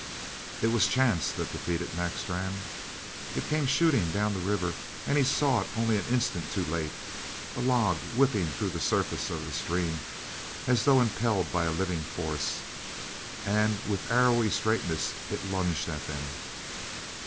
It was chance that defeated Mac Strann. It came shooting down the river and he saw it only an instant too late a log whipping through the surface of the stream as though impelled by a living force. And with arrowy straightness it lunged at them.